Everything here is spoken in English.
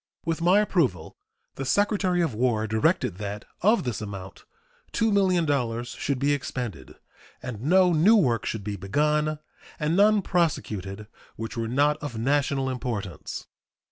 With my approval, the Secretary of War directed that of this amount $2,000,000 should be expended, and no new works should be begun and none prosecuted which were not of national importance.